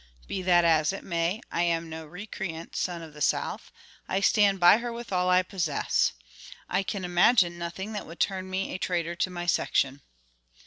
Be that as it may, I am no recreant son of the South. I stand by her with all I possess. I can imagine nothing that would turn me a traitor to my section."